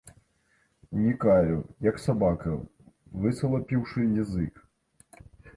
Нікаю, як сабака, высалапіўшы язык.